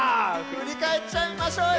ふりかえっちゃいましょうよ！